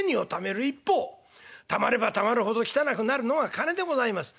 たまればたまるほど汚くなるのが金でございます。